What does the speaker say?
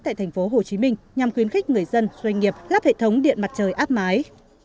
tại thành phố hồ chí minh nhằm khuyến khích người dân doanh nghiệp lắp hệ thống điện mặt trời áp mái